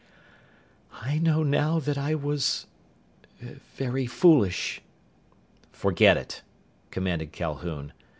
"I know now that I was ... very foolish." "Forget it," commanded Calhoun.